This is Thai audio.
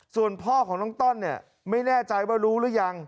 ส่วนพ่อของน้องต้อนเนี่ยไม่แน่ใจว่ารู้หรือยัง